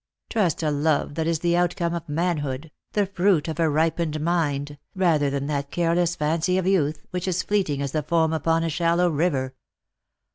Trust a love that is the outcome of manhood, the fruit of a ripened mind, rather than that careless fancy of youth which is fleeting as the foam upon a shallow river."